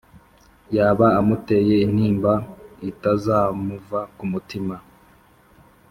yaba amuteye intimba itazamuva ku mutima n